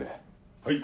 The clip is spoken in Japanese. はい。